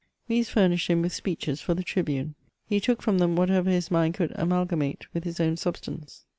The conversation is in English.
These furnished him with speeches for the tribune ; he took from them whatever his mind could amalgamate with his own substance.